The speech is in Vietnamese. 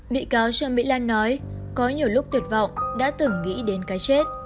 bị cáo trương mỹ lan nói có nhiều lúc tuyệt vọng đã từng nghĩ đến cái chết